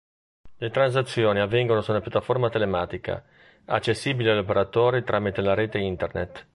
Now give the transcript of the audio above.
Le transazioni avvengono su una piattaforma telematica, accessibile agli operatori tramite la rete internet.